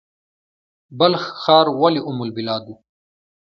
بلخ ښار ولې ام البلاد و؟